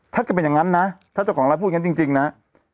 ถ้าจะเป็นอย่างนั้นนะถ้าเจ้าของร้านพูดอย่างนั้นจริงนะ